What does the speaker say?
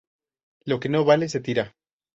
Lo que no vale, se tira